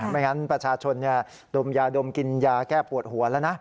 ไม่งั้นประชาชนดมยาดมกินยาแก้ปวดหัวแล้วนะ